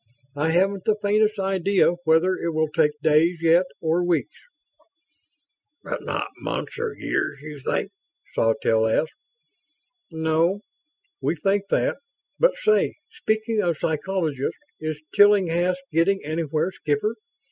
I haven't the faintest idea, whether it will take days yet or weeks." "But not months or years, you think?" Sawtelle asked. "No. We think that but say, speaking of psychologists, is Tillinghast getting anywhere, Skipper?